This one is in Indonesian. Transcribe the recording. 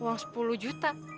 uang sepuluh juta